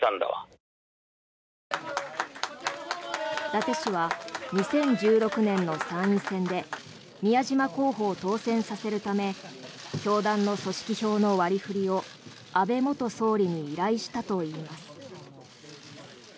伊達氏は２０１６年の参院選で宮島候補を当選させるため教団の組織票の割り振りを安倍元総理に依頼したといいます。